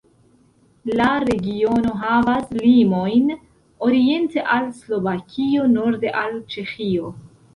La regiono havas limojn oriente al Slovakio, norde al Ĉeĥio.